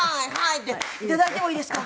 って頂いてもいいですか？